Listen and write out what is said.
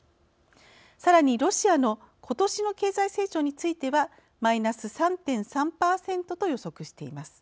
さらにロシアの今年の経済成長についてはマイナス３．３％と予測しています。